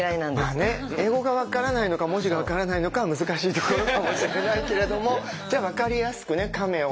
まあね英語が分からないのか文字が分からないのかは難しいところかもしれないけれどもじゃあ分かりやすくね亀を。